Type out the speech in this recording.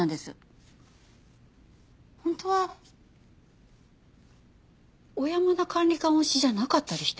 本当は小山田管理官推しじゃなかったりして。